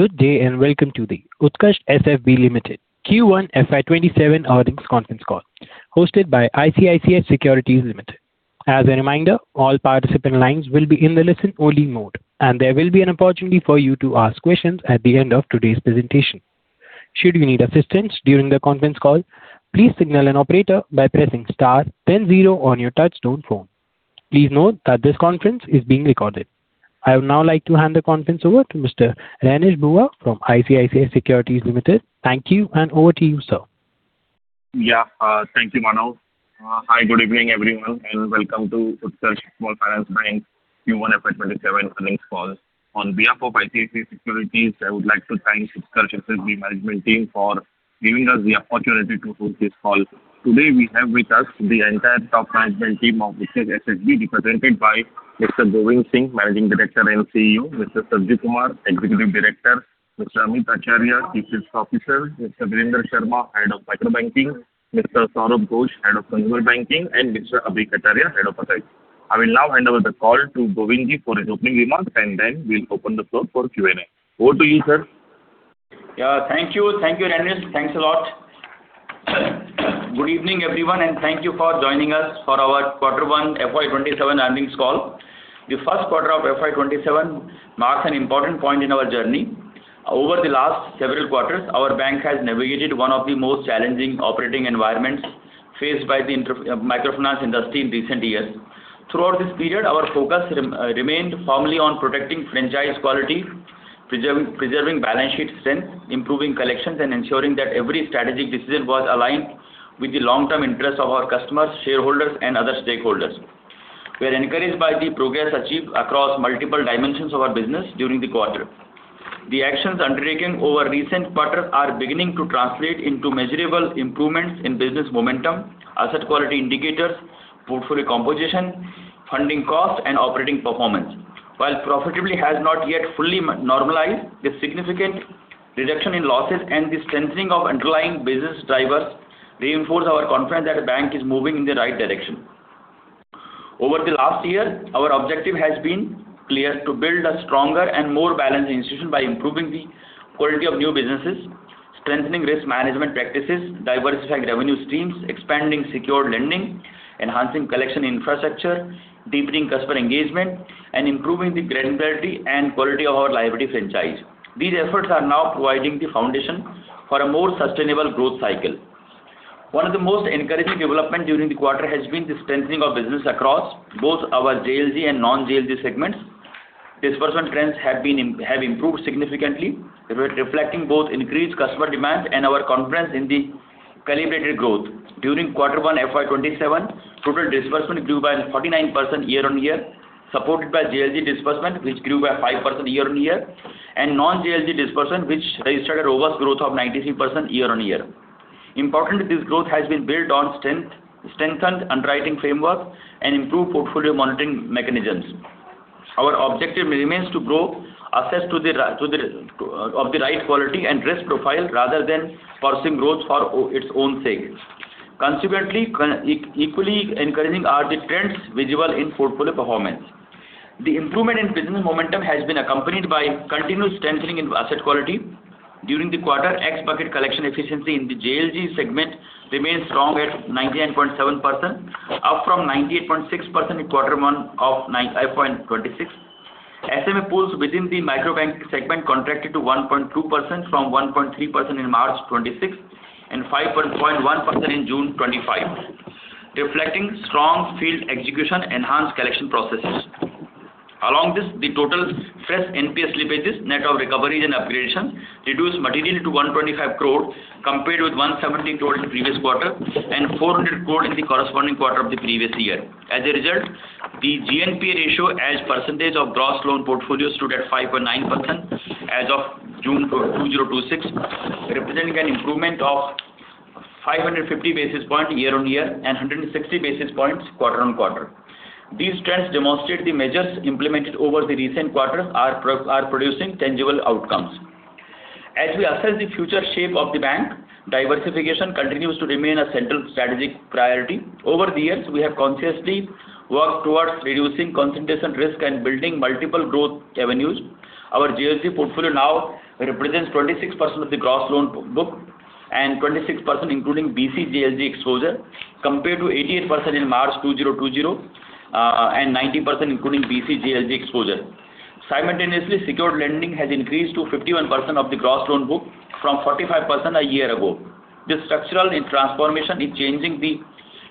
Good day, and welcome to the Utkarsh SFB Limited Q1 FY 2027 earnings conference call, hosted by ICICI Securities Limited. As a reminder, all participant lines will be in the listen-only mode, and there will be an opportunity for you to ask questions at the end of today's presentation. Should you need assistance during the conference call, please signal an operator by pressing star then zero on your touchtone phone. Please note that this conference is being recorded. I would now like to hand the conference over to Mr. Renish Bhuva from ICICI Securities Limited. Thank you, and over to you, sir. Thank you, Manoj. Hi, good evening, everyone, and welcome to Utkarsh Small Finance Bank Q1 FY 2027 earnings call. On behalf of ICICI Securities, I would like to thank Utkarsh SFB management team for giving us the opportunity to host this call. Today we have with us the entire top management team of Utkarsh SFB, represented by Mr. Govind Singh, Managing Director and CEO, Mr. Sanjeet Kumar, Executive Director, Mr. Amit Acharya, Chief Risk Officer, Mr. Virender Sharma, Head of Micro Banking, Mr. Sourabh Ghosh, Head-Consumer Banking, and Mr. Abhay Kataria, Head of IT. I will now hand over the call to Govindji for his opening remarks, and then we'll open the floor for Q&A. Over to you, sir. Thank you. Thank you, Renish. Thanks a lot. Good evening, everyone, and thank you for joining us for our Quarter one FY 2027 earnings call. The first quarter of FY 2027 marks an important point in our journey. Over the last several quarters, our bank has navigated one of the most challenging operating environments faced by the microfinance industry in recent years. Throughout this period, our focus remained firmly on protecting franchise quality, preserving balance sheet strength, improving collections, and ensuring that every strategic decision was aligned with the long-term interests of our customers, shareholders, and other stakeholders. We are encouraged by the progress achieved across multiple dimensions of our business during the quarter. The actions undertaken over recent quarters are beginning to translate into measurable improvements in business momentum, asset quality indicators, portfolio composition, funding cost, and operating performance. While profitability has not yet fully normalized, this significant reduction in losses and the strengthening of underlying business drivers reinforce our confidence that the bank is moving in the right direction. Over the last year, our objective has been clear: to build a stronger and more balanced institution by improving the quality of new businesses, strengthening risk management practices, diversifying revenue streams, expanding secured lending, enhancing collection infrastructure, deepening customer engagement, and improving the credit quality and quality of our liability franchise. These efforts are now providing the foundation for a more sustainable growth cycle. One of the most encouraging development during the quarter has been the strengthening of business across both our JLG and non-JLG segments. Disbursement trends have improved significantly, reflecting both increased customer demand and our confidence in the calibrated growth. During quarter one FY 2027, total disbursement grew by 49% year-on-year, supported by JLG disbursement, which grew by 5% year-on-year, and non-JLG disbursement, which registered a robust growth of 93% year-on-year. Importantly, this growth has been built on strengthened underwriting framework and improved portfolio monitoring mechanisms. Our objective remains to grow assets of the right quality and risk profile rather than pursuing growth for its own sake. Consequently, equally encouraging are the trends visible in portfolio performance. The improvement in business momentum has been accompanied by continuous strengthening in asset quality. During the quarter, X-bucket collection efficiency in the JLG segment remained strong at 99.7%, up from 98.6% in quarter one of FY 2026. SMA pools within the Micro Banking segment contracted to 1.2% from 1.3% in March 2026 and 5.1% in June 2025, reflecting strong field execution enhanced collection processes. Along this, the total fresh NPA slippages net of recoveries and upgradations reduced materially to 125 crore, compared with 170 crore in the previous quarter and 400 crore in the corresponding quarter of the previous year. As a result, the GNPA ratio as percentage of gross loan portfolio stood at 5.9% as of June 2026, representing an improvement of 550 basis points year-on-year and 160 basis points quarter-on-quarter. These trends demonstrate the measures implemented over the recent quarters are producing tangible outcomes. As we assess the future shape of the bank, diversification continues to remain a central strategic priority. Over the years, we have consciously worked towards reducing concentration risk and building multiple growth avenues. Our JLG portfolio now represents 26% of the gross loan book and 26%, including BC JLG exposure, compared to 18% in March 2020, and 19%, including BC JLG exposure. Simultaneously, secured lending has increased to 51% of the gross loan book from 45% a year ago. This structural transformation is changing the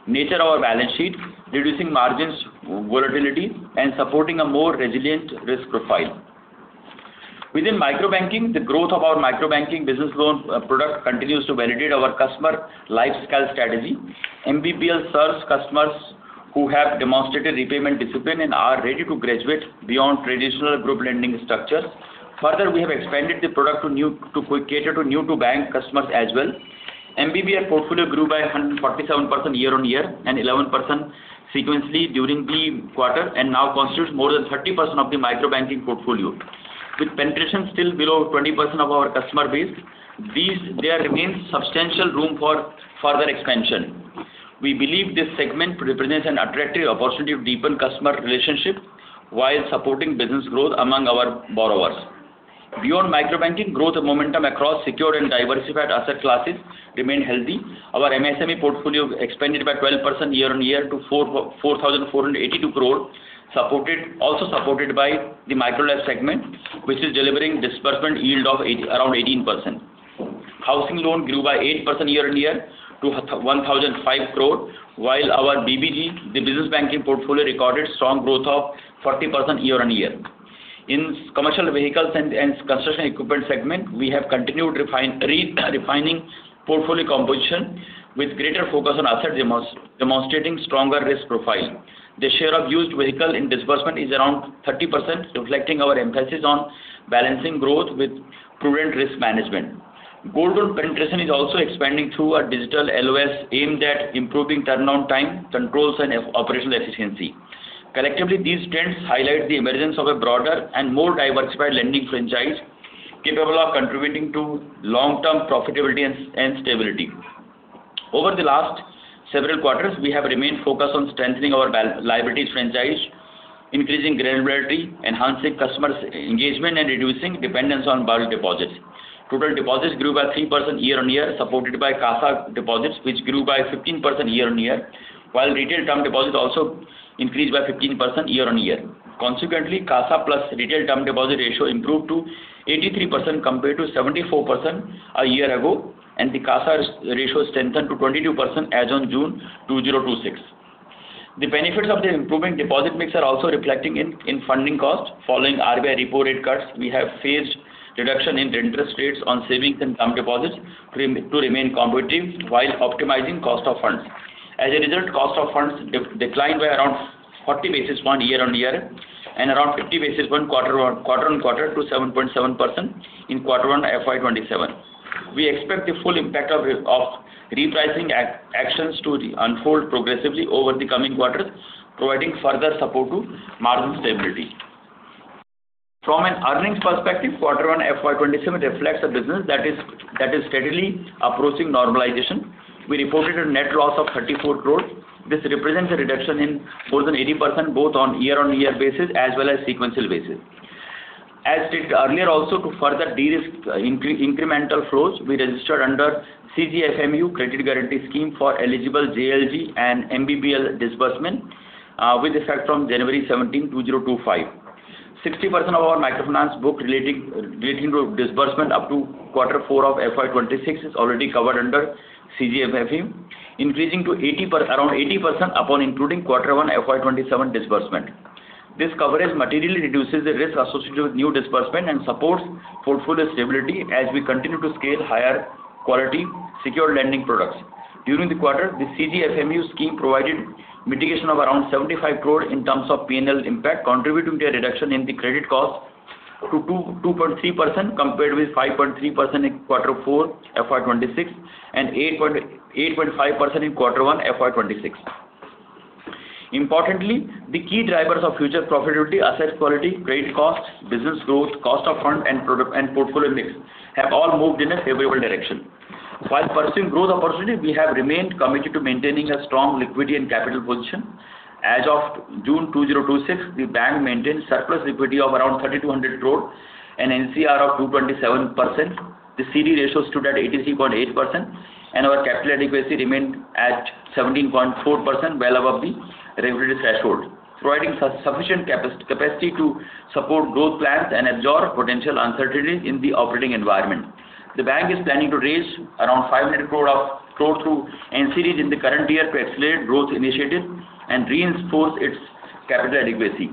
nature of our balance sheet, reducing margins volatility, and supporting a more resilient risk profile. Within Micro Banking, the growth of our Micro Banking Business Loan product continues to validate our customer lifecycle strategy. MBBL serves customers who have demonstrated repayment discipline and are ready to graduate beyond traditional group lending structures. Further, we have expanded the product to cater to new to bank customers as well. MBBL portfolio grew by 147% year-on-year and 11% sequentially during the quarter, and now constitutes more than 30% of the Micro Banking portfolio. With penetration still below 20% of our customer base, there remains substantial room for further expansion. We believe this segment represents an attractive opportunity to deepen customer relationships while supporting business growth among our borrowers. Beyond Micro Banking, growth momentum across secure and diversified asset classes remain healthy. Our MSME portfolio expanded by 12% year-on-year to 4,482 crore, also supported by the Micro Loan segment, which is delivering disbursement yield of around 18%. Housing Loan grew by 8% year-on-year to 1,005 crore. While our BBG, the Business Banking portfolio, recorded strong growth of 40% year-on-year. In Commercial Vehicles and Construction Equipment segment, we have continued refining portfolio composition with greater focus on assets demonstrating stronger risk profile. The share of used vehicle in disbursement is around 30%, reflecting our emphasis on balancing growth with prudent risk management. Gold Loan penetration is also expanding through our digital LOS aimed at improving turnaround time, controls, and operational efficiency. Collectively, these trends highlight the emergence of a broader and more diversified lending franchise capable of contributing to long-term profitability and stability. Over the last several quarters, we have remained focused on strengthening our liabilities franchise, increasing granularity, enhancing customers engagement, and reducing dependence on borrowed deposits. Total deposits grew by 3% year-on-year, supported by CASA deposits, which grew by 15% year-on-year, while retail term deposits also increased by 15% year-on-year. Consequently, CASA plus retail term deposit ratio improved to 83% compared to 74% a year ago, and the CASA ratio strengthened to 22% as of June 2026. The benefits of the improving deposit mix are also reflecting in funding costs. Following RBI repo rate cuts, we have phased reduction in interest rates on savings and term deposits to remain competitive while optimizing cost of funds. As a result, cost of funds declined by around 40 basis points year-on-year and around 50 basis points quarter-on-quarter to 7.7% in quarter one FY 2027. We expect the full impact of repricing actions to unfold progressively over the coming quarters, providing further support to margin stability. From an earnings perspective, quarter one FY 2027 reflects a business that is steadily approaching normalization. We reported a net loss of 34 crore. This represents a reduction in more than 80%, both on year-on-year basis as well as sequential basis. As stated earlier also, to further de-risk incremental flows, we registered under CGFMU, Credit Guarantee Scheme for eligible JLG and MBBL disbursement, with effect from January 17, 2025. 60% of our microfinance book relating to disbursement up to quarter four of FY 2026 is already covered under CGFMU, increasing to around 80% upon including quarter one FY 2027 disbursement. This coverage materially reduces the risk associated with new disbursement and supports portfolio stability as we continue to scale higher quality secured lending products. During the quarter, the CGFMU scheme provided mitigation of around 75 crore in terms of P&L impact, contributing to a reduction in the credit cost to 2.3%, compared with 5.3% in quarter four FY 2026 and 8.5% in quarter one FY 2026. Importantly, the key drivers of future profitability, asset quality, credit costs, business growth, cost of funds, and portfolio mix have all moved in a favorable direction. While pursuing growth opportunities, we have remained committed to maintaining a strong liquidity and capital position. As of June 2026, the bank maintained surplus liquidity of around 3,200 crore and LCR of 227%. The CD ratio stood at 83.8%, and our capital adequacy remained at 17.4%, well above the regulatory threshold, providing sufficient capacity to support growth plans and absorb potential uncertainties in the operating environment. The bank is planning to raise around 500 crore through NCDs in the current year to accelerate growth initiatives and reinforce its capital adequacy.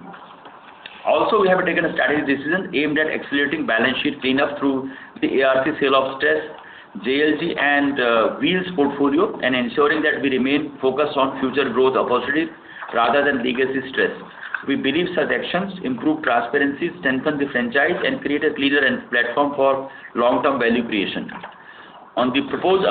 Also, we have taken a strategic decision aimed at accelerating balance sheet cleanup through the ARC sale of stressed JLG and Wheels portfolio and ensuring that we remain focused on future growth opportunities rather than legacy stress. We believe such actions improve transparency, strengthen the franchise, and create a clearer platform for long-term value creation. On the proposed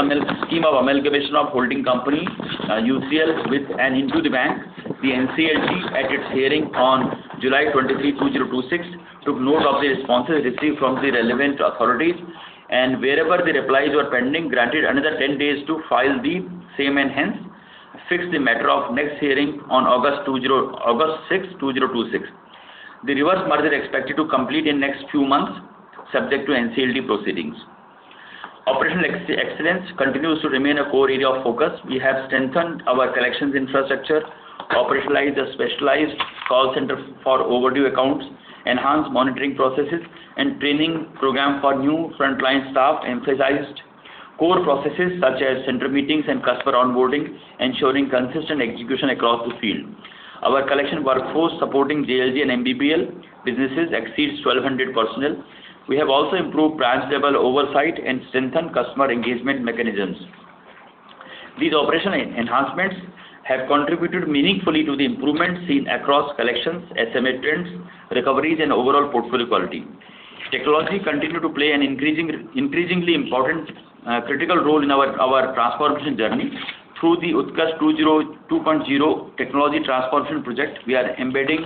scheme of amalgamation of holding company, UCL, with and into the bank, the NCLT, at its hearing on July 23, 2026, took note of the responses received from the relevant authorities. Wherever the replies were pending, granted another 10 days to file the same and hence fixed the matter of next hearing on August 6, 2026. The reverse merger is expected to complete in next few months, subject to NCLT proceedings. Operational excellence continues to remain a core area of focus. We have strengthened our collections infrastructure, operationalized a specialized call center for overdue accounts, enhanced monitoring processes, and training program for new frontline staff, emphasized core processes such as center meetings and customer onboarding, ensuring consistent execution across the field. Our collection workforce supporting JLG and MBBL businesses exceeds 1,200 personnel. We have also improved branch-level oversight and strengthened customer engagement mechanisms. These operational enhancements have contributed meaningfully to the improvements seen across collections, SMA trends, recoveries, and overall portfolio quality. Technology continue to play an increasingly important critical role in our transformation journey. Through the Utkarsh 2.0 technology transformation project, we are embedding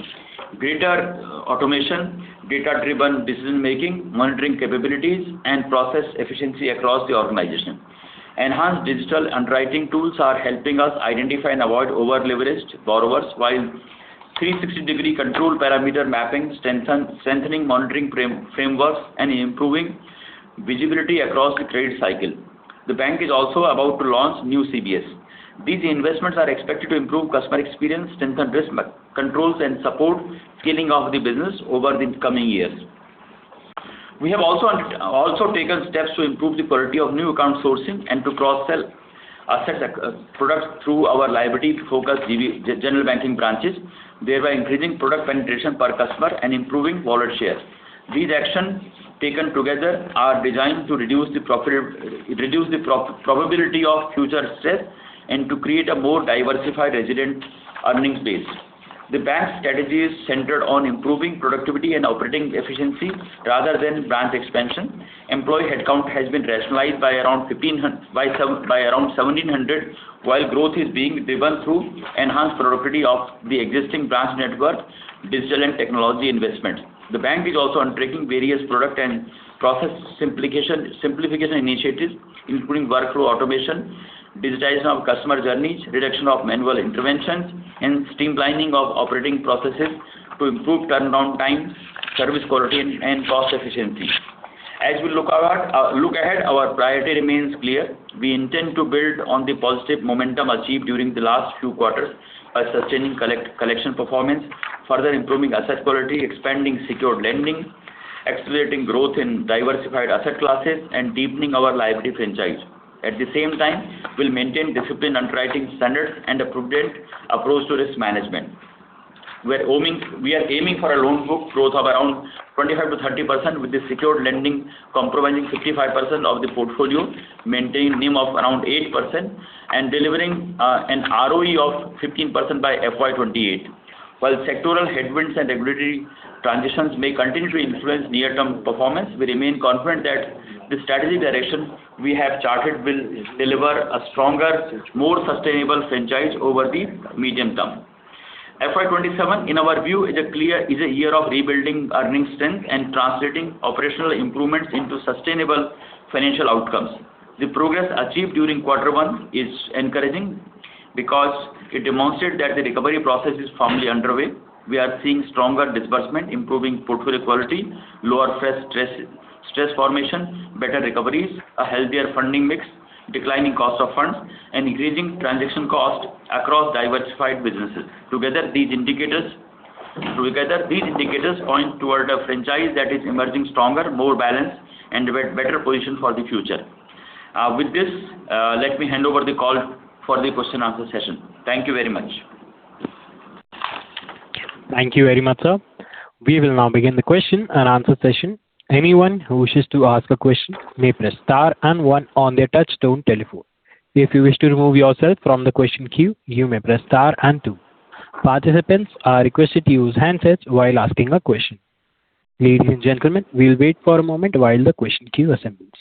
greater automation, data-driven decision-making, monitoring capabilities, and process efficiency across the organization. Enhanced digital underwriting tools are helping us identify and avoid over-leveraged borrowers, while 360-degree control parameter mapping, strengthening monitoring frameworks and improving visibility across the trade cycle. The bank is also about to launch new CBS. These investments are expected to improve customer experience, strengthen risk controls, and support scaling of the business over the coming years. We have also taken steps to improve the quality of new account sourcing and to cross-sell asset products through our liability-focused general banking branches, thereby increasing product penetration per customer and improving wallet share. These actions, taken together, are designed to reduce the probability of future stress and to create a more diversified, resilient earnings base. The bank's strategy is centered on improving productivity and operating efficiency rather than branch expansion. Employee headcount has been rationalized by around 1,700, while growth is being driven through enhanced productivity of the existing branch network, digital and technology investments. The bank is also undertaking various product and process simplification initiatives, including workflow automation, digitization of customer journeys, reduction of manual interventions, and streamlining of operating processes to improve turnaround times, service quality, and cost efficiency. As we look ahead, our priority remains clear. We intend to build on the positive momentum achieved during the last few quarters by sustaining collection performance, further improving asset quality, expanding secured lending, accelerating growth in diversified asset classes, and deepening our liability franchise. At the same time, we'll maintain disciplined underwriting standards and a prudent approach to risk management. We are aiming for a loan book growth of around 25%-30%, with the secured lending comprising 65% of the portfolio, maintaining NIM of around 8% and delivering an ROE of 15% by FY 2028. While sectoral headwinds and regulatory transitions may continue to influence near-term performance, we remain confident that the strategy direction we have charted will deliver a stronger, more sustainable franchise over the medium term. FY 2027, in our view, is a year of rebuilding earnings strength and translating operational improvements into sustainable financial outcomes. The progress achieved during quarter one is encouraging because it demonstrates that the recovery process is firmly underway. We are seeing stronger disbursement, improving portfolio quality, lower stress formation, better recoveries, a healthier funding mix, declining cost of funds, and increasing transaction cost across diversified businesses. Together, these indicators point toward a franchise that is emerging stronger, more balanced, and in a better position for the future. With this, let me hand over the call for the question answer session. Thank you very much. Thank you very much, sir. We will now begin the question-and-answer session. Anyone who wishes to ask a question may press star and one on their touchtone telephone. If you wish to remove yourself from the question queue, you may press star and two. Participants are requested to use handsets while asking a question. Ladies and gentlemen, we will wait for a moment while the question queue assembles.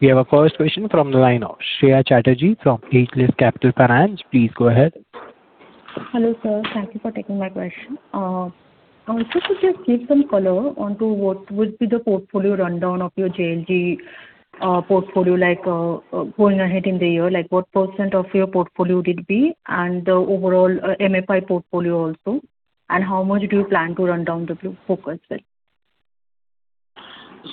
We have our first question from the line of Shreya Chatterjee from Page Licht Capital Finance. Please go ahead. Hello, sir. Thank you for taking my question. I would like to just give some color onto what would be the portfolio rundown of your JLG portfolio, like, going ahead in the year. What percent of your portfolio did it be and the overall MFI portfolio also, and how much do you plan to run down the book as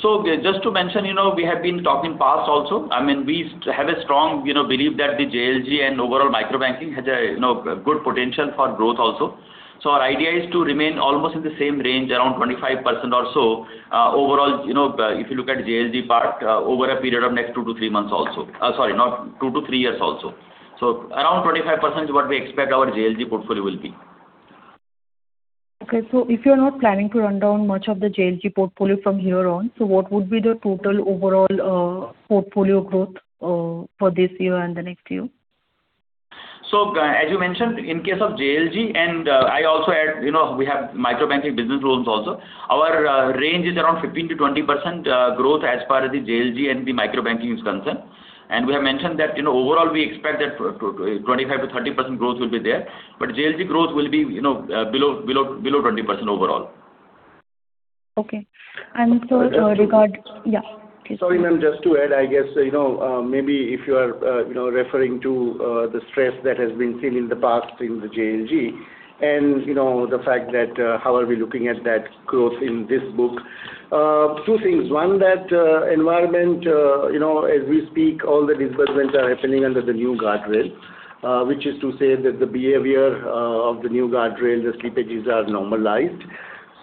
well? Just to mention, we have been talking past also. We have a strong belief that the JLG and overall Micro Banking has a good potential for growth also. Our idea is to remain almost in the same range, around 25% or so, if you look at JLG part, over a period of next two to three months also. Sorry, two to three years also. Around 25% is what we expect our JLG portfolio will be. Okay. If you're not planning to run down much of the JLG portfolio from here on, what would be the total overall portfolio growth for this year and the next year? As you mentioned, in case of JLG, and I also add, we have Micro Banking Business Loans also. Our range is around 15%-20% growth as far as the JLG and the Micro Banking is concerned. We have mentioned that overall we expect that 25%-30% growth will be there, but JLG growth will be below 20% overall. Okay. Sorry, ma'am, just to add, I guess, maybe if you are referring to the stress that has been seen in the past in the JLG and the fact that how are we looking at that growth in this book. Two things. One, that environment, as we speak, all the disbursements are happening under the new guardrail, which is to say that the behavior of the new guardrail, the slippages are normalized.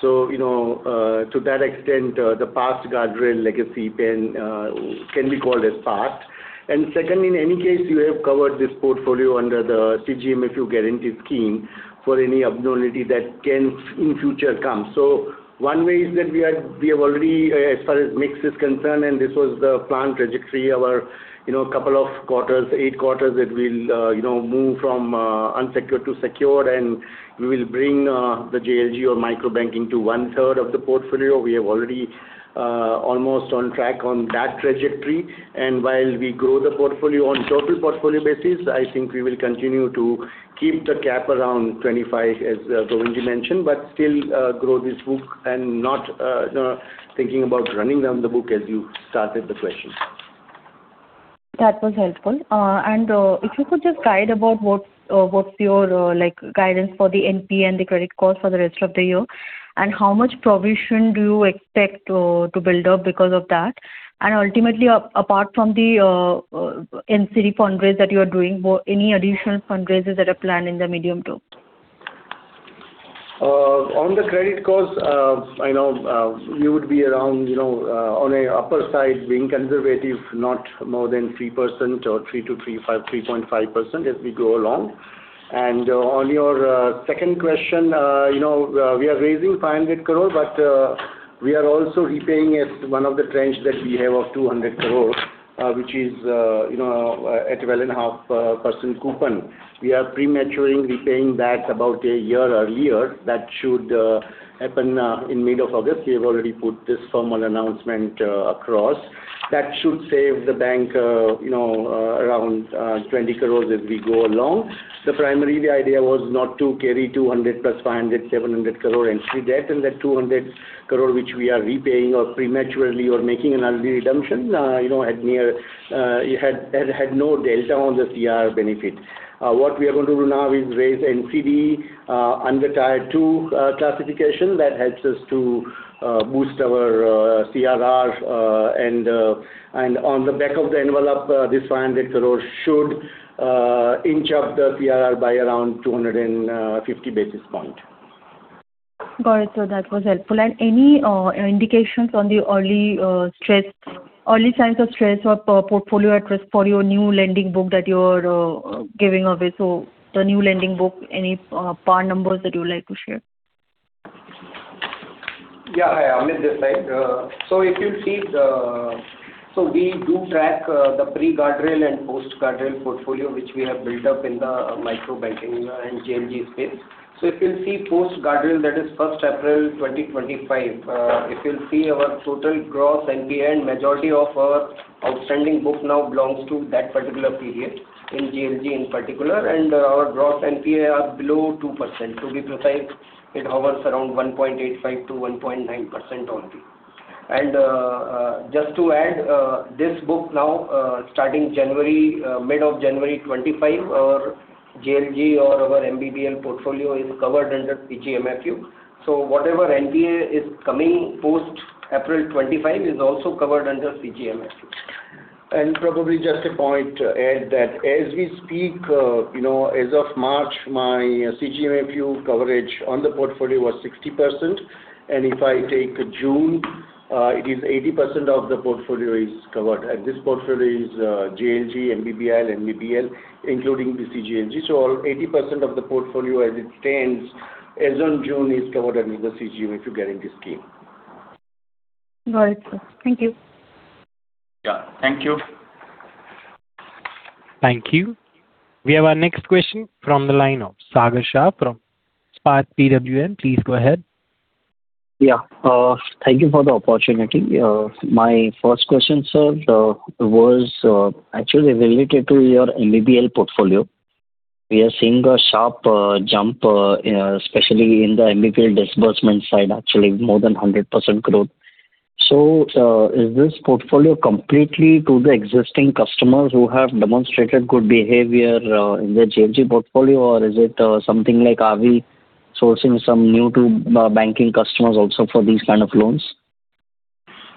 To that extent, the past guardrail legacy can be called as past. Second, in any case, you have covered this portfolio under the CGFMU guarantee scheme for any abnormality that can in future come. One way is that we have already, as far as mix is concerned, and this was the planned trajectory our couple of quarters, eight quarters that we will move from unsecured to secured and we will bring the JLG or Micro Banking to 1/3 of the portfolio. We are already almost on track on that trajectory. While we grow the portfolio on total portfolio basis, I think we will continue to keep the cap around 25 as Govind mentioned, but still grow this book and not thinking about running down the book as you started the question. That was helpful. If you could just guide about what's your guidance for the NPA and the credit cost for the rest of the year, and how much provision do you expect to build up because of that? Ultimately, apart from the NCD fundraise that you are doing, any additional fundraisers that are planned in the medium term? On the credit cost, I know we would be around, on an upper side, being conservative, not more than 3% or 3%-3.5% as we go along. On your second question, we are raising 500 crore, but we are also repaying one of the tranche that we have of 200 crore, which is at 12.5% coupon. We are prematurely repaying that about a year earlier. That should happen in mid of August. We have already put this formal announcement across. That should save the bank around 20 crore as we go along. Primarily, the idea was not to carry 200 + 500, 700 crore into debt, and that 200 crore which we are repaying or prematurely or making an early redemption had no delta on the CRAR benefit. What we are going to do now is raise NCD under tier 2 classification. That helps us to boost our CRAR. On the back of the envelope, this 500 crore should inch up the CRAR by around 250 basis points. Got it, sir. That was helpful. Any indications on the early signs of stress or portfolio at risk for your new lending book that you are giving away? The new lending book, any par numbers that you would like to share? Amit this side. If you see, we do track the pre-guard rail and post-guard rail portfolio, which we have built up in the micro banking and JLG space. If you'll see post-guard rail, that is 1st April 2025, if you'll see our total gross NPA and majority of our outstanding book now belongs to that particular period in JLG in particular, and our gross NPA are below 2%. To be precise, it hovers around 1.85%-1.9% only. Just to add, this book now, starting mid of January 2025, our JLG or our MBBL portfolio is covered under CGFMU. Whatever NPA is coming post April 2025 is also covered under CGFMU. Probably just a point to add, that as we speak, as of March, my CGFMU coverage on the portfolio was 60%. If I take June, it is 80% of the portfolio is covered. This portfolio is JLG, MBBL, including the CGFMU. 80% of the portfolio as it stands as on June is covered under the CGFMU guarantee scheme. Got it, sir. Thank you. Yeah. Thank you. Thank you. We have our next question from the line of Sagar Shah from Spark PWM. Please go ahead. Yeah. Thank you for the opportunity. My first question, sir, was actually related to your MBBL portfolio. We are seeing a sharp jump, especially in the MBBL disbursement side, actually more than 100% growth. Is this portfolio completely to the existing customers who have demonstrated good behavior in their JLG portfolio, or is it something like are we sourcing some new-to-banking customers also for these kind of loans?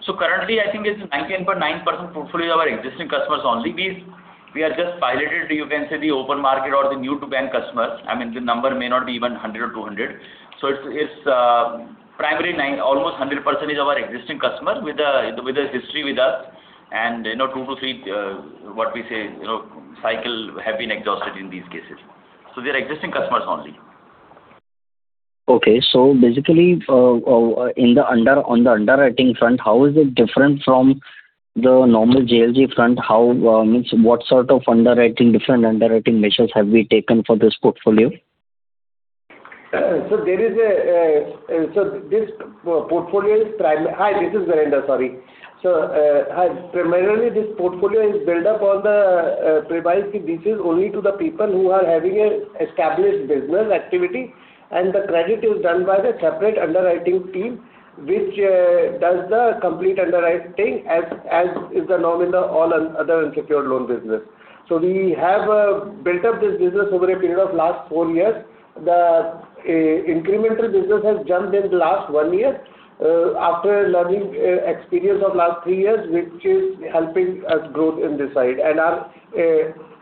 Currently, I think it's 99.9% portfolio of our existing customers only. We are just piloted, you can say the open market or the new-to-bank customer. I mean, the number may not be even 100 or 200. It's primarily almost 100% is our existing customer with a history with us. Two to three, what we say, cycles have been exhausted in these cases. They're existing customers only. Okay. Basically, on the underwriting front, how is it different from the normal JLG front? What sort of different underwriting measures have we taken for this portfolio? Hi, this is Virender. Sorry. Primarily this portfolio is built up on the premise it reaches only to the people who are having an established business activity, the credit is done by the separate underwriting team, which does the complete underwriting as is the norm in all other unsecured loan business. We have built up this business over a period of last four years. The incremental business has jumped in the last one year, after learning experience of last three years, which is helping us growth in this side and our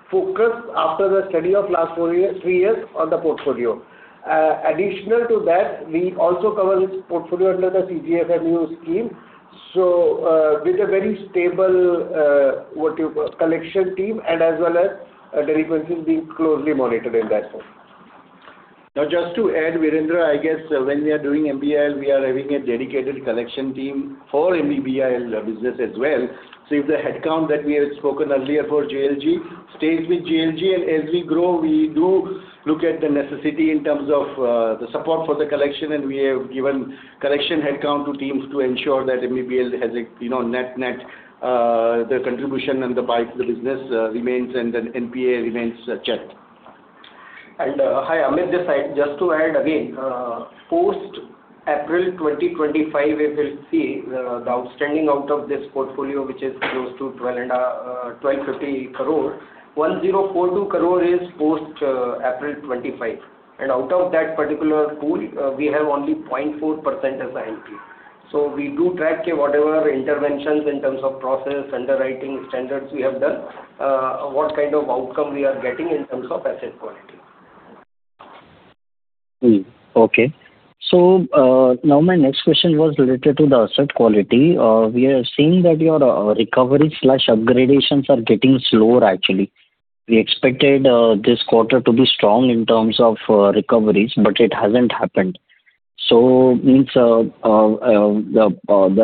focus after the study of last three years on the portfolio. Additional to that, we also cover this portfolio under the CGFMU scheme. With a very stable collection team and as well as delinquencies being closely monitored in that front. Now, just to add, Virender, I guess when we are doing MBBL, we are having a dedicated collection team for MBBL business as well. If the headcount that we have spoken earlier for JLG stays with JLG, as we grow, we do look at the necessity in terms of the support for the collection, we have given collection headcount to teams to ensure that MBBL has a net-net, the contribution and the bite of the business remains, NPA remains checked. Hi, Amit. Just to add again, post-April 2025, we will see the outstanding out of this portfolio, which is close to 1,250 crore. 1,042 crore is post-April 2025. Out of that particular pool, we have only 0.4% as NPA. We do track whatever interventions in terms of process, underwriting standards we have done, what kind of outcome we are getting in terms of asset quality. Now my next question was related to the asset quality. We are seeing that your recovery/upgradations are getting slower, actually. We expected this quarter to be strong in terms of recoveries, but it hasn't happened. The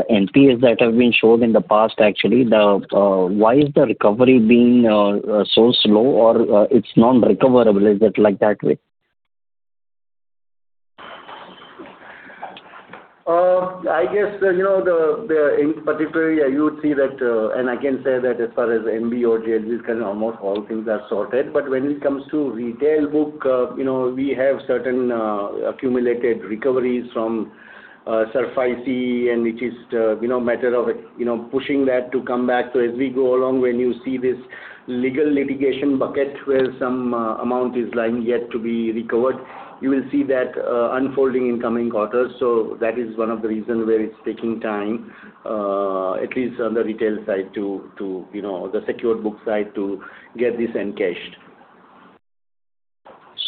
NPAs that have been showed in the past, actually, why is the recovery being so slow or it's non-recoverable? Is it like that way? I guess, in particular, you would see that. I can say that as far as MB or JLG is concerned, almost all things are sorted. When it comes to retail book, we have certain accumulated recoveries from SARFAESI, and it is a matter of pushing that to come back. As we go along, when you see this legal litigation bucket where some amount is lying yet to be recovered, you will see that unfolding in coming quarters. That is one of the reason where it's taking time, at least on the retail side, the secured book side, to get this encashed.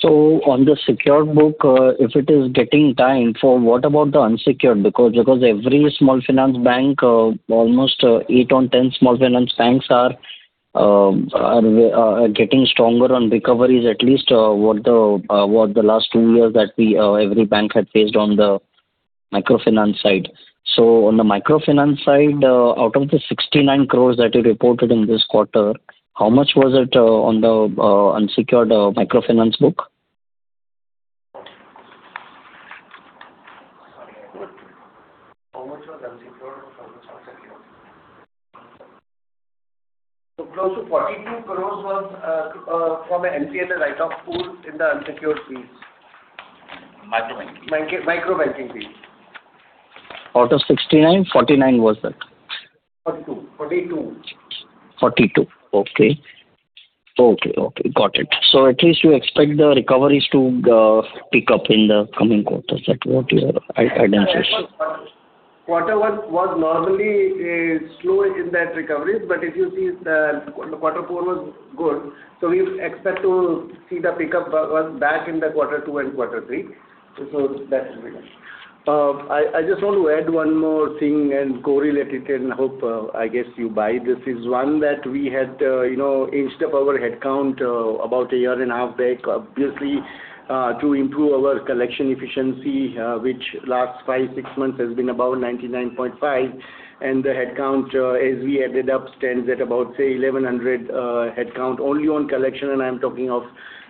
On the secured book, if it is getting time, what about the unsecured? Every small finance bank, almost eight out of 10 small finance banks are getting stronger on recoveries, at least what the last two years that every bank had faced on the microfinance side. On the microfinance side, out of the 69 crores that you reported in this quarter, how much was it on the unsecured microfinance book? Sorry, I couldn't. How much was unsecured and how much was secured? Close to INR 42 crores was from NPA and write-off pool in the unsecured fees. Microbanking. Microbanking fees. Out of 69, 49 was that? 42. 42. Okay. Got it. At least you expect the recoveries to pick up in the coming quarters. Is that what your guidance is? Quarter one was normally slow in that recovery. If you see, quarter four was good. We expect to see the pick up back in the quarter two and quarter three. That is it. I just want to add one more thing and correlate it and hope, I guess you buy this. Is one that we had inched up our headcount about a year and a half back, obviously, to improve our collection efficiency, which last five, six months has been above 99.5%. The headcount, as we added up, stands at about, say, 1,100 headcount only on collection, and I am talking of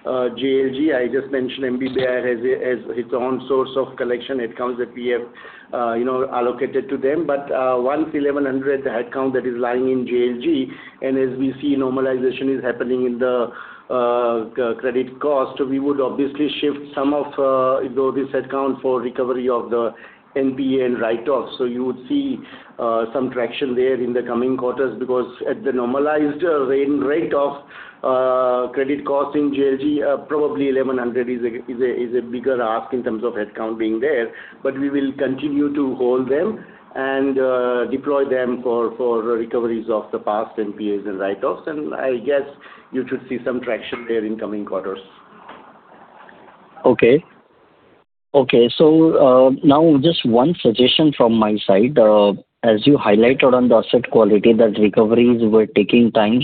JLG. I just mentioned MBBL as its own source of collection. It comes at PF allocated to them. Once 1,100, the headcount that is lying in JLG, as we see normalization is happening in the credit cost, we would obviously shift some of this headcount for recovery of the NPA and write-offs. You would see some traction there in the coming quarters because at the normalized rate of credit cost in JLG, probably 1,100 is a bigger ask in terms of headcount being there. We will continue to hold them and deploy them for recoveries of the past NPAs and write-offs, I guess you should see some traction there in coming quarters. Now just one suggestion from my side. As you highlighted on the asset quality, that recoveries were taking time.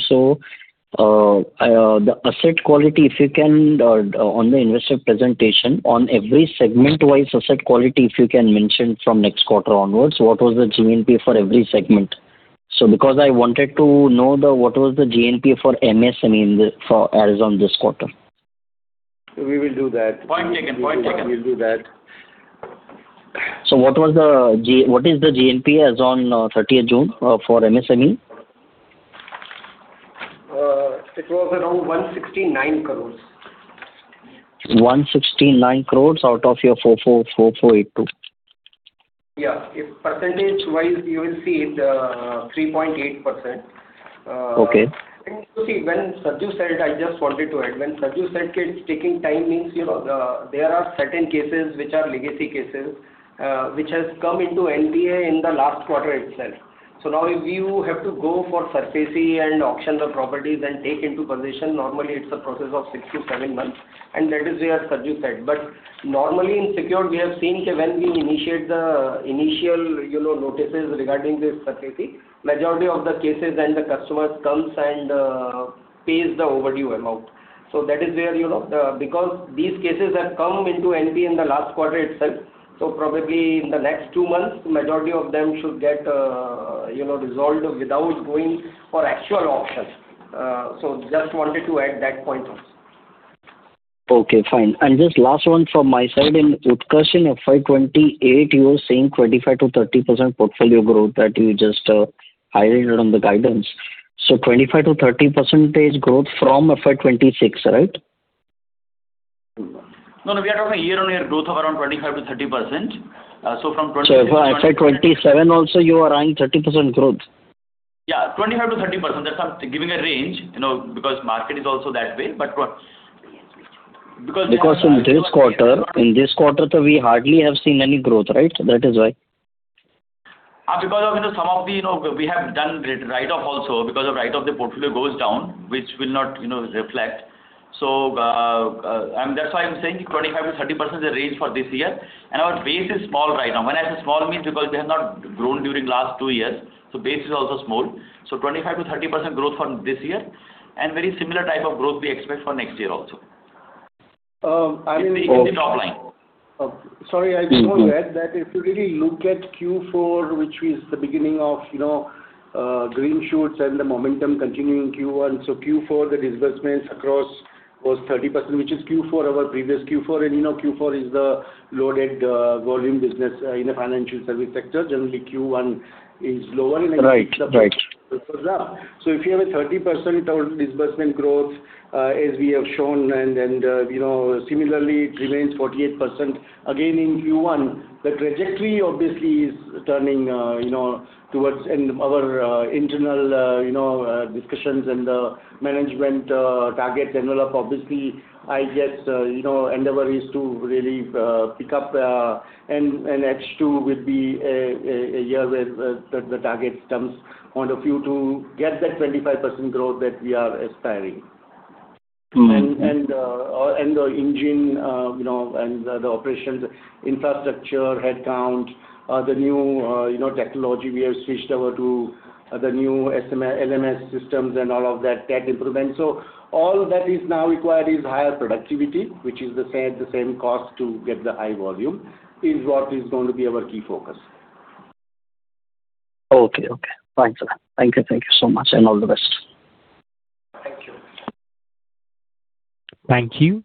The asset quality, if you can, on the investor presentation, on every segment-wise asset quality, if you can mention from next quarter onwards, what was the GNPA for every segment. Because I wanted to know what was the GNPA for MSME as on this quarter. We will do that. Point taken. We will do that. What is the GNPA as on 30th June for MSME? It was around 169 crores. 169 crores out of your 4,482. Yeah. Percentage-wise, you will see it, 3.8%. Okay. You see, I just wanted to add, when Sarju said it's taking time, means there are certain cases which are legacy cases, which has come into NPA in the last quarter itself. Now if you have to go for SARFAESI and auction the properties and take into possession, normally it's a process of six to seven months, and that is where Sarju said. Normally in secure, we have seen when we initiate the initial notices regarding this SARFAESI, majority of the cases and the customers comes and pays the overdue amount. That is where, because these cases have come into NPA in the last quarter itself, probably in the next two months, majority of them should get resolved without going for actual auction. Just wanted to add that point also. Okay, fine. Just last one from my side. In Utkarsh FY 2028, you were saying 25%-30% portfolio growth that you just highlighted on the guidance. 25%-30% percentage growth from FY 2026, right? No, we are talking year-on-year growth of around 25%-30%. FY 2027 also, you are eyeing 30% growth? Yeah, 25%-30%. That's giving a range, because market is also that way. In this quarter, we hardly have seen any growth, right? That is why. We have done write-off also because the write-off of the portfolio goes down, which will not reflect. That's why I'm saying 25%-30% is the range for this year, and our base is small right now. When I say small, it means because we have not grown during last two years, so base is also small. 25%-30% growth from this year and very similar type of growth we expect for next year also. I mean. In the top line. Sorry, I just want to add that if you really look at Q4, which is the beginning of green shoots and the momentum continuing in Q1, Q4, the disbursements across was 30%, which is Q4, our previous Q4, and you know Q4 is the loaded volume business in a financial service sector. Generally, Q1 is lower. Right. If you have a 30% disbursement growth, as we have shown, similarly it remains 48% again in Q1, the trajectory obviously is turning towards our internal discussions and management targets envelope. Endeavor is to really pick up and H2 will be a year where the target comes on a few to get that 25% growth that we are aspiring. The engine and the operations infrastructure, headcount, the new technology we have switched over to, the new LMS systems and all of that tech improvement. All that is now required is higher productivity, which is the same cost to get the high volume is what is going to be our key focus. Okay. Thanks a lot. Thank you so much, and all the best. Thank you. Thank you.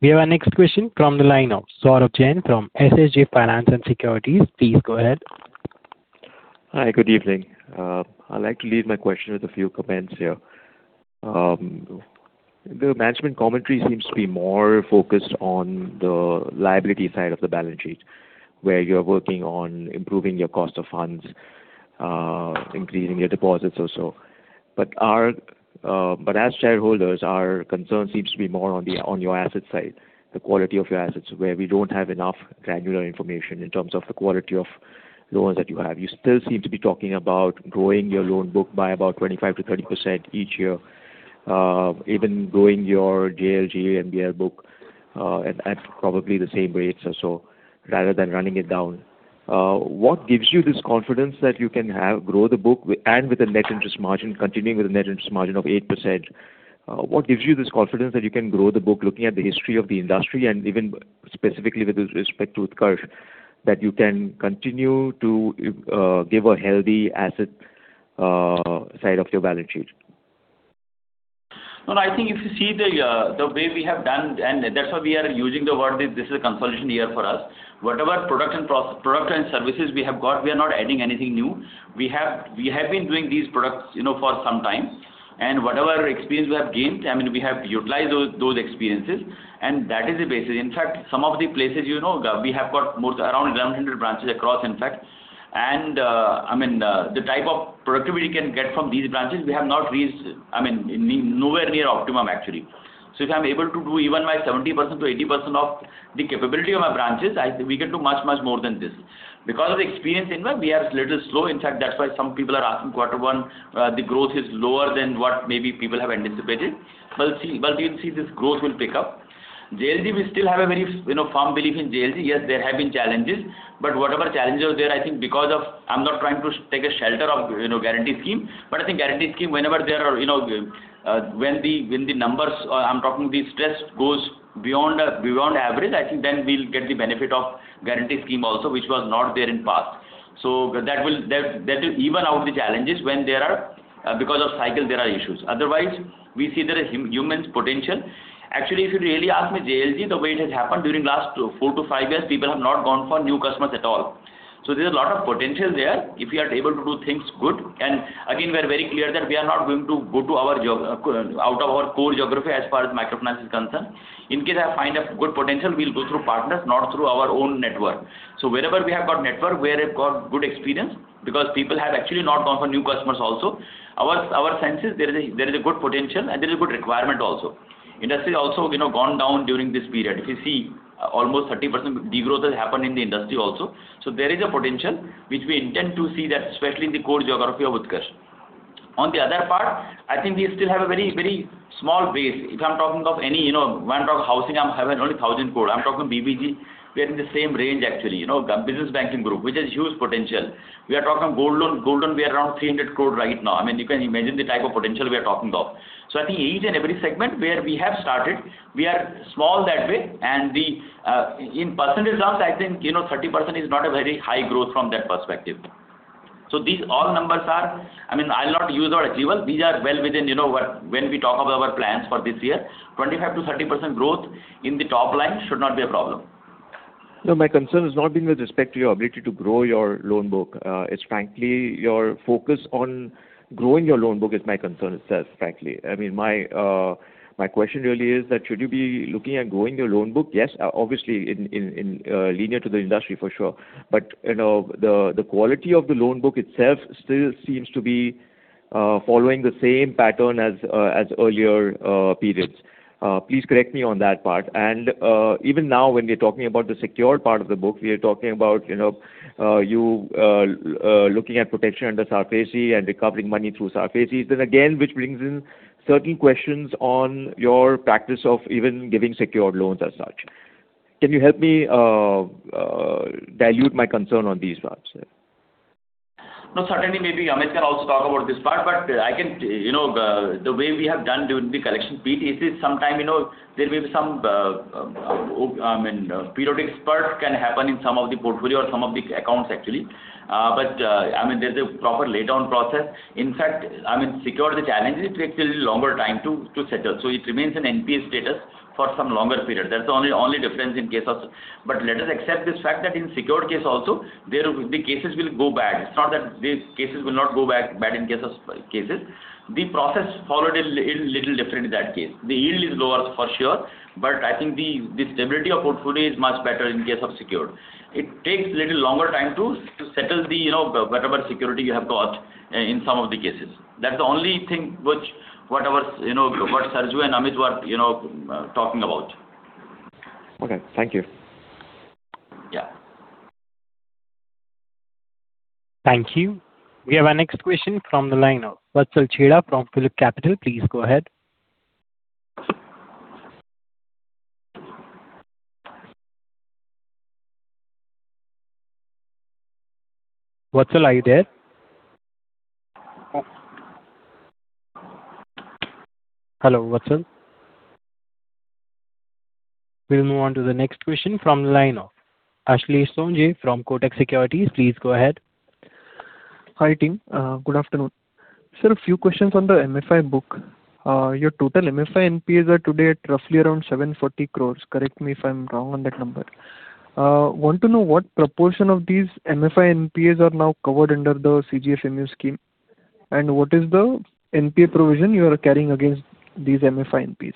We have our next question from the line of Saurabh Jain from SSJ Finance and Securities. Please go ahead. Hi, good evening. I'd like to lead my question with a few comments here. The management commentary seems to be more focused on the liability side of the balance sheet, where you're working on improving your cost of funds, increasing your deposits or so. As shareholders, our concern seems to be more on your asset side, the quality of your assets, where we don't have enough granular information in terms of the quality of loans that you have. You still seem to be talking about growing your loan book by about 25%-30% each year, even growing your JLG and MBBL book at probably the same rates or so, rather than running it down. What gives you this confidence that you can grow the book and with a net interest margin continuing with a net interest margin of 8%? What gives you this confidence that you can grow the book looking at the history of the industry and even specifically with respect to Utkarsh, that you can continue to give a healthy asset side of your balance sheet? I think if you see the way we have done and that's why we are using the word this is a consolidation year for us. Whatever product and services we have got, we are not adding anything new. We have been doing these products for some time and whatever experience we have gained, we have utilized those experiences and that is the basis. In fact, some of the places we have got around 1,100 branches across in fact and the type of productivity we can get from these branches, we have not reached, nowhere near optimum actually. If I'm able to do even my 70%-80% of the capability of my branches, we can do much more than this. Because of the experience, we are a little slow. In fact, that's why some people are asking quarter one, the growth is lower than what maybe people have anticipated. We'll see this growth will pick up. JLG, we still have a very firm belief in JLG. Yes, there have been challenges whatever challenges are there, I think because of I'm not trying to take a shelter of guarantee scheme, I think guarantee scheme whenever when the numbers or I'm talking the stress goes beyond average, I think then we'll get the benefit of guarantee scheme also which was not there in past. That will even out the challenges because of cycle there are issues, otherwise we see there is huge potential. Actually, if you really ask me, JLG, the way it has happened during last four to five years, people have not gone for new customers at all. There's a lot of potential there if we are able to do things good and again, we're very clear that we are not going to go out of our core geography as far as microfinance is concerned. In case I find a good potential, we'll go through partners, not through our own network. Wherever we have got network, we have got good experience because people have actually not gone for new customers also. Our sense is there is a good potential and there is a good requirement also. Industry also gone down during this period. If you see almost 30% de-growth has happened in the industry also. There is a potential which we intend to see that especially in the core geography of Utkarsh. On the other part, I think we still have a very small base. If I'm talking of housing, I'm having only 1,000 crore. I'm talking BBG, we are in the same range actually. Business banking group which has huge potential. We are talking gold loan. Gold loan we are around 300 crore right now. You can imagine the type of potential we are talking of. I think each and every segment where we have started, we are small that way and in percentage terms, I think 30% is not a very high growth from that perspective. These all numbers are, I'll not use the word achievable. These are well within when we talk about our plans for this year, 25%-30% growth in the top line should not be a problem. No, my concern is not with respect to your ability to grow your loan book. Frankly, your focus on growing your loan book is my concern itself. My question really is that should you be looking at growing your loan book? Yes, obviously, linear to the industry, for sure. The quality of the loan book itself still seems to be following the same pattern as earlier periods. Please correct me on that part. Even now, when we are talking about the secured part of the book, we are talking about you looking at protection under SARFAESI and recovering money through SARFAESI. Again, which brings in certain questions on your practice of even giving secured loans as such. Can you help me dilute my concern on these parts? No, certainly, maybe Amit can also talk about this part, the way we have done during the collection period is sometimes there may be some periodic spurts can happen in some of the portfolio or some of the accounts actually. There is a proper laid-down process. In fact, secured, the challenge is it takes a little longer time to settle. It remains in NPA status for some longer period. That's the only difference in case of. Let us accept this fact that in secured case also, the cases will go bad. It's not that these cases will not go bad in case of cases. The process followed is little different in that case. The yield is lower for sure, but I think the stability of portfolio is much better in case of secured. It takes a little longer time to settle whatever security you have got in some of the cases. That's the only thing which Sarju and Amit were talking about. Okay. Thank you. Yeah. Thank you. We have our next question from the line of Vatsal Chheda from PhillipCapital. Please go ahead. Vatsal, are you there? Hello, Vatsal? We'll move on to the next question from the line of Ashlesh Sonje from Kotak Securities. Please go ahead. Hi, team. Good afternoon. Sir, a few questions on the MFI book. Your total MFI NPAs are today at roughly around 740 crores. Correct me if I'm wrong on that number. Want to know what proportion of these MFI NPAs are now covered under the CGFMU scheme, and what is the NPA provision you are carrying against these MFI NPAs.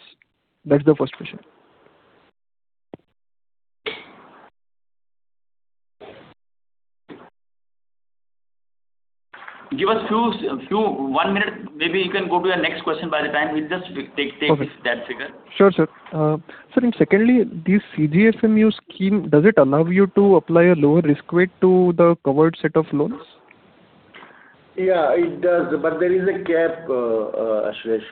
That's the first question. Give us one minute. Maybe you can go to your next question by the time we just take that figure. Okay. Sure, sir. Sir, secondly, this CGFMU scheme, does it allow you to apply a lower risk weight to the covered set of loans? Yeah, it does. There is a cap, Ashlesh.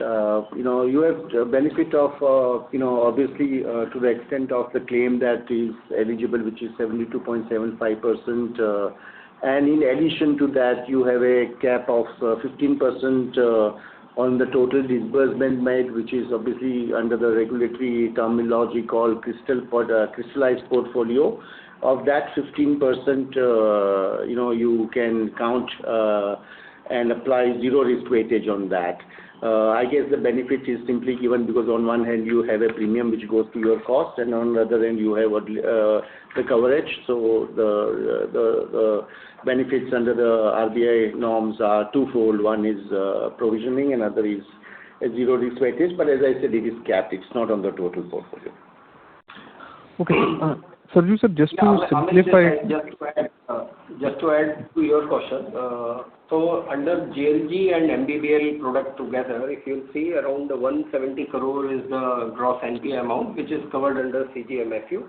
You have benefit of, obviously, to the extent of the claim that is eligible, which is 72.75%. In addition to that, you have a cap of 15% on the total disbursement made, which is obviously under the regulatory terminology called crystallized portfolio. Of that 15%, you can count and apply zero risk weightage on that. I guess the benefit is simply given because on one hand you have a premium which goes to your cost, and on the other end, you have the coverage. The benefits under the RBI norms are twofold. One is provisioning and other is zero risk weightage. As I said, it is capped. It's not on the total portfolio. Okay. Sarju sir, just to simplify. Just to add to your question. Under JLG and MBBL product together, if you will see around 170 crore is the gross NPA amount, which is covered under CGFMU.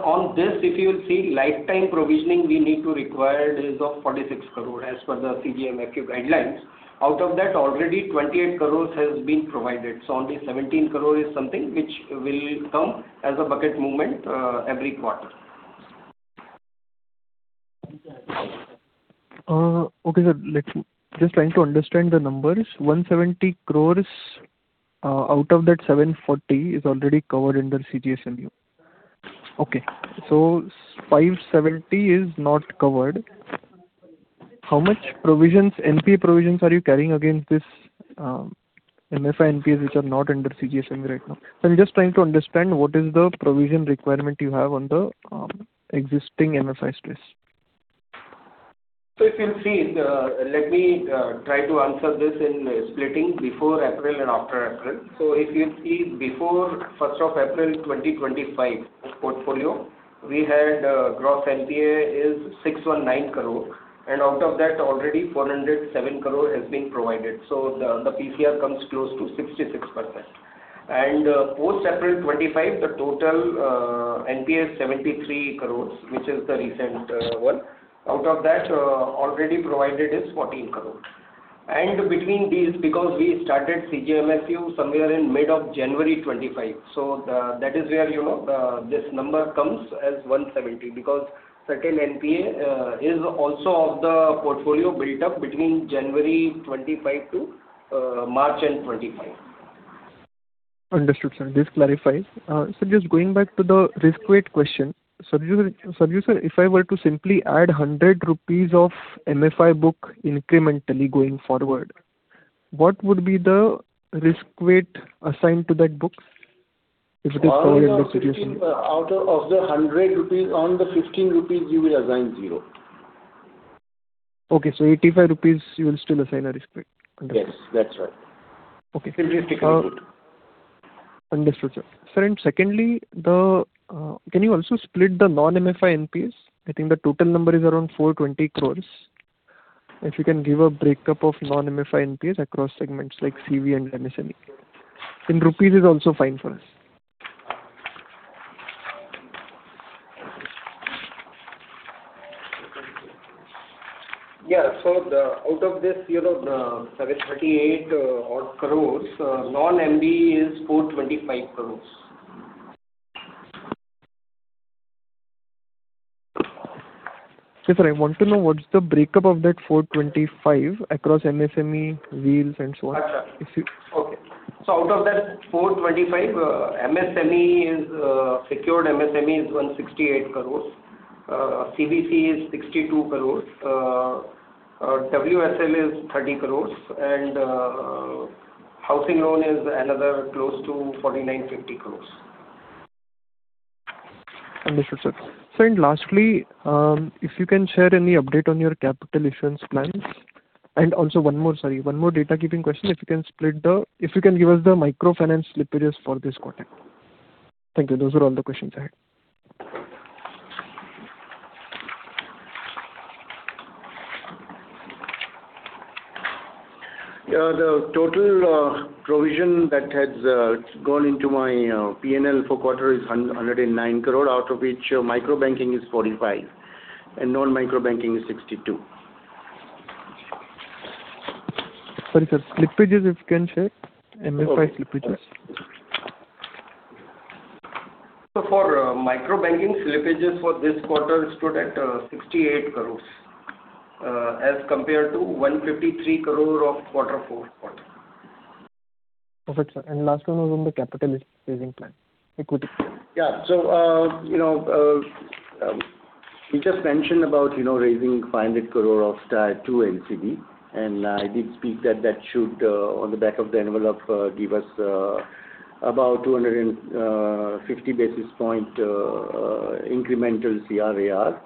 On this, if you will see lifetime provisioning we need to require is of 46 crore as per the CGFMU guidelines. Out of that, already 28 crores has been provided. Only 17 crore is something which will come as a bucket movement every quarter. Okay, sir. Just trying to understand the numbers. 170 crores, out of that 740 is already covered under CGFMU. Okay. 570 is not covered. How much NPA provisions are you carrying against this MFI NPAs which are not under CGFMU right now? I am just trying to understand what is the provision requirement you have on the existing MFI space. If you see, let me try to answer this in splitting before April and after April. If you see before 1st of April 2025 portfolio, we had gross NPA is 619 crore, out of that, already 407 crore has been provided. The PCR comes close to 66%. Post April 2025, the total NPA is 73 crores, which is the recent one. Out of that, already provided is 14 crore. Between these, because we started CGFMU somewhere in mid of January 2025. That is where this number comes as 170 because second NPA is also of the portfolio built up between January 2025 to March end 2025. Understood, sir. This clarifies. Sir, just going back to the risk weight question. Sarju sir, if I were to simply add 100 rupees of MFI book incrementally going forward. What would be the risk weight assigned to that book if it is Out of the 100 rupees, on the 15 rupees you will assign zero. Okay, 85 rupees you will still assign a risk weight. Yes, that's right. Okay. Simply stick to it. Understood, sir. Sir, secondly, can you also split the non-MFI NPAs? I think the total number is around 420 crores. If you can give a breakup of non-MFI NPAs across segments like CV and MSME. In INR is also fine for us. Out of this 38 odd crores, non-MFI is 425 crores. Okay, sir. I want to know what's the breakup of that 425 across MSME, wheels, and so on. Okay. Out of that 425, secured MSME is 168 crore, CVCE is 62 crore, WSL is 30 crore, and housing loan is another close to 49 crore-50 crore. Understood, sir. Sir, lastly, if you can share any update on your capital issuance plans. Also one more data keeping question. If you can give us the microfinance slippages for this quarter. Thank you. Those were all the questions I had. Yeah, the total provision that has gone into my P&L for quarter is 109 crore, out of which microbanking is 45 crore and non-microbanking is 62 crore. Sorry, sir. Slippages if you can share. MFI slippages. For microbanking, slippages for this quarter stood at 68 crores, as compared to 153 crore of quarter four. Perfect, sir. Last one was on the capital raising plan. Equity plan. Yeah. We just mentioned about raising INR 500 crore of tier 2 NCD, I did speak that should on the back of the envelope, give us about 250 basis point incremental CRAR.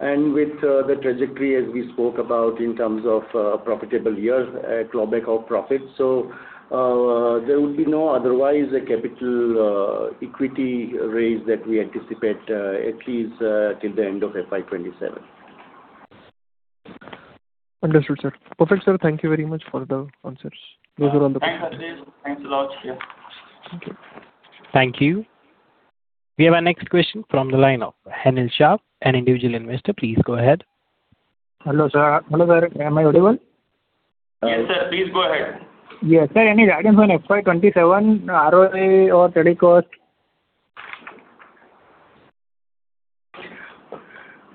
With the trajectory as we spoke about in terms of profitable years, clawback of profits. There would be no otherwise a capital equity raise that we anticipate, at least till the end of FY 2027. Understood, sir. Perfect, sir. Thank you very much for the answers. Those are all the questions. Thanks a lot. Yeah. Thank you. Thank you. We have our next question from the line of Henil Shah, an individual investor. Please go ahead. Hello, sir. Am I audible? Yes, sir. Please go ahead. Yes, sir. Any guidance on FY 2027 ROE or credit cost?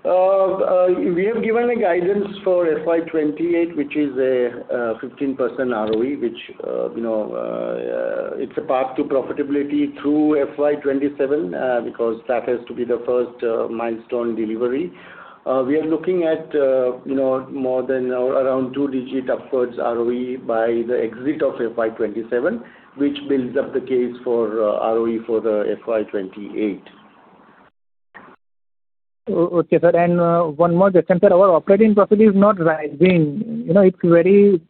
We have given a guidance for FY 2028, which is a 15% ROE, which it's a path to profitability through FY 2027 because that has to be the first milestone delivery. We are looking at more than around two-digit upwards ROE by the exit of FY 2027, which builds up the case for ROE for the FY 2028. Okay, sir. One more question, sir. Our operating profit is not rising. The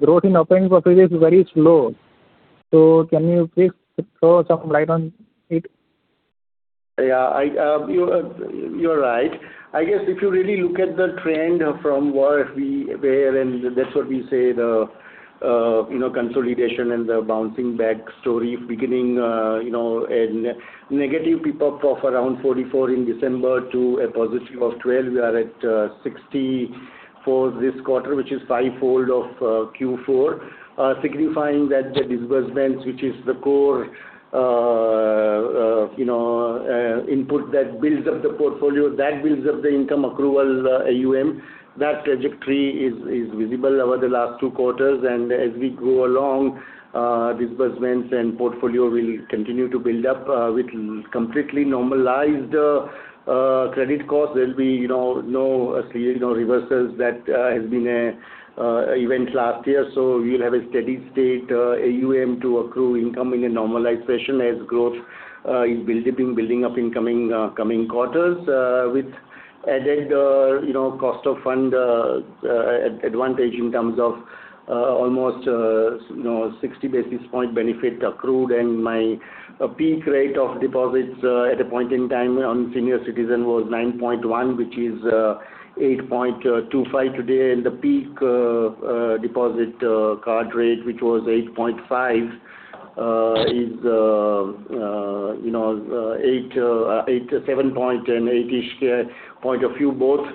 growth in operating profit is very slow. Can you please throw some light on it? You're right. I guess if you really look at the trend from where we were, and that's what we say the consolidation and the bouncing back story beginning, a negative pep up of around 44 in December to a positive of 12. We are at 64 this quarter, which is five-fold of Q4, signifying that the disbursements, which is the core input that builds up the portfolio, that builds up the income accrual AUM. That trajectory is visible over the last two quarters. As we go along, disbursements and portfolio will continue to build up with completely normalized credit cost. There'll be no reversals that has been event last year. We'll have a steady state AUM to accrue income in a normalized fashion as growth is building up in coming quarters, with added cost of fund advantage in terms of almost 60 basis point benefit accrued. My peak rate of deposits at a point in time on senior citizen was 9.1, which is 8.25 today. The peak deposit card rate, which was 8.5, is 7.8-ish point a few both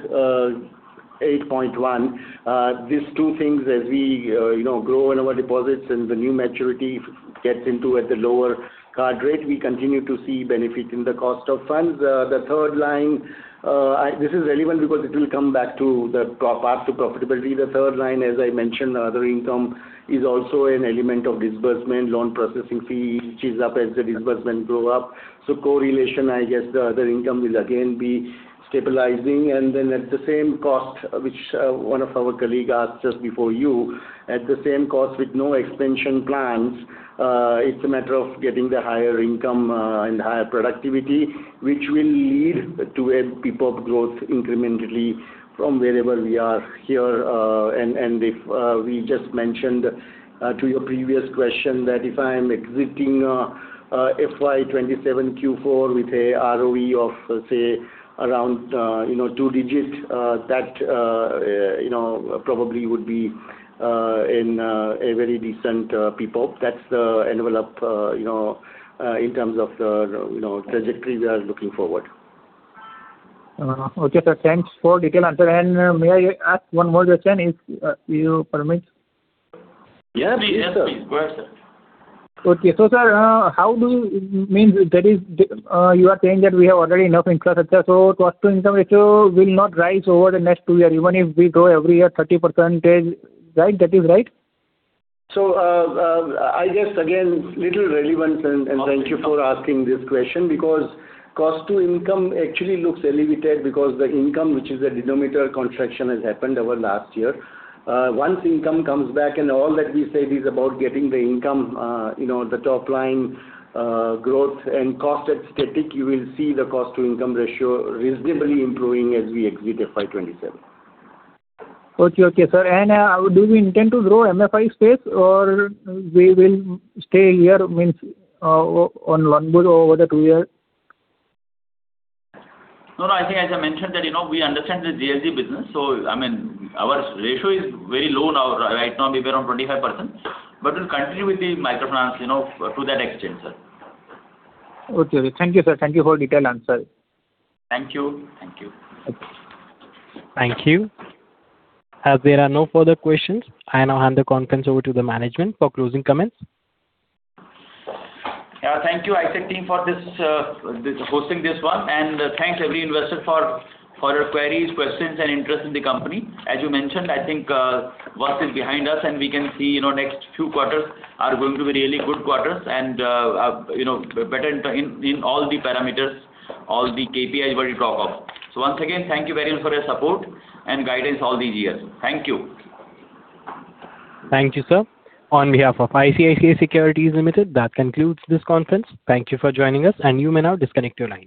8.1. These two things, as we grow in our deposits and the new maturity gets into at the lower card rate, we continue to see benefit in the cost of funds. The third line, this is relevant because it will come back to the path to profitability. The third line, as I mentioned, other income is also an element of disbursement, loan processing fee, which is up as the disbursement go up. Correlation, I guess the other income will again be stabilizing, and then at the same cost, which one of our colleague asked just before you. At the same cost with no expansion plans, it's a matter of getting the higher income and higher productivity, which will lead to a PPOP growth incrementally from wherever we are here. We just mentioned to your previous question that if I am exiting FY 2027 Q4 with a ROE of, let's say, around two digit, that probably would be in a very decent PPOP. That's the envelope in terms of trajectory we are looking forward. Okay, sir. Thanks for detailed answer. May I ask one more question if you permit? Yes, please. Go ahead, sir. Sir, you are saying that we have already enough NCLT, cost to income ratio will not rise over the next two year, even if we grow every year 30%, that is right? I guess again, little relevance. Thank you for asking this question, cost to income actually looks elevated because the income, which is the denominator contraction has happened over last year. Once income comes back, all that we said is about getting the income, the top line growth and cost at static, you will see the cost to income ratio reasonably improving as we exit FY 2027. Okay, sir. Do we intend to grow MFI space or we will stay here, means, on loan book over the two year? I think as I mentioned that, we understand the JLG business. Our ratio is very low now. Right now, we are around 25%, but we'll continue with the microfinance to that extent, sir. Thank you, sir. Thank you for detailed answer. Thank you. Okay. Thank you. There are no further questions, I now hand the conference over to the management for closing comments. Thank you, ICICI team for hosting this one. Thanks every investor for your queries, questions, and interest in the company. As you mentioned, I think worst is behind us and we can see next few quarters are going to be really good quarters and better in all the parameters, all the KPIs where we talk of. Once again, thank you very much for your support and guidance all these years. Thank you. Thank you, sir. On behalf of ICICI Securities Limited, that concludes this conference. Thank you for joining us. You may now disconnect your lines.